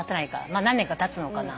まあ何年かたつのかな。